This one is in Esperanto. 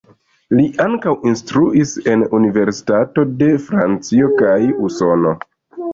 Li ankaŭ instruis en universitatoj de Francio kaj Usono.